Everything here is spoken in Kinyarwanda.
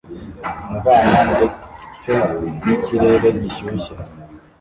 mubana ndetse nikirere gishyushye